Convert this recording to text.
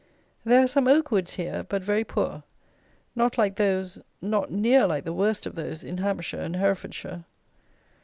There are some oak woods here, but very poor. Not like those, not near like the worst of those, in Hampshire and Herefordshire.